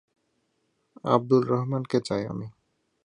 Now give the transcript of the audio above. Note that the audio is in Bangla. আব্দুল রহমানকে চাই আমি।